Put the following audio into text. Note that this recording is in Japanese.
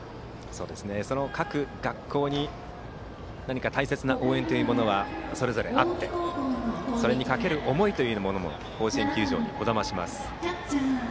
各学校に大切な応援というものはそれぞれ、あってそれにかける思いも甲子園球場にこだまします。